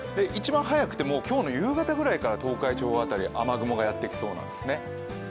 一番早くても今日の夕方くらいから東海地方辺り雨雲がやってきそうなんですね。